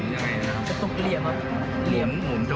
กระตุกเมื่อยครับเหลี่ยมเมื่อยครับ